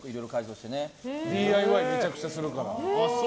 ＤＩＹめちゃくちゃするから。